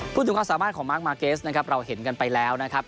พูดถึงความสามารถของมาร์คมาร์เกสนะครับเราเห็นกันไปแล้วนะครับ